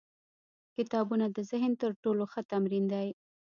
کتابونه د ذهن تر ټولو ښه تمرین دی.